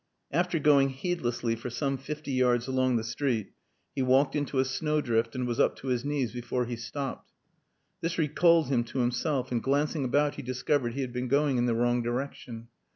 After going heedlessly for some fifty yards along the street he walked into a snowdrift and was up to his knees before he stopped. This recalled him to himself; and glancing about he discovered he had been going in the wrong direction.